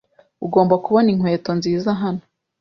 Ugomba kubona inkweto nziza hano.